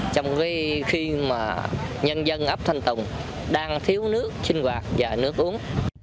trong khi mà nhân dân ấp thanh tùng đang thiếu nước sinh hoạt và nước uống